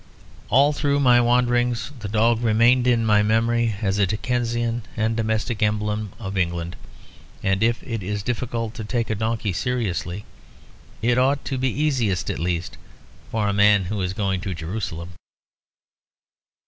All through my wanderings the dog remained in my memory as a Dickensian and domestic emblem of England; and if it is difficult to take a donkey seriously, it ought to be easiest, at least, for a man who is going to Jerusalem.